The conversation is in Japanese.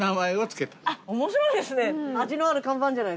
面白いですね。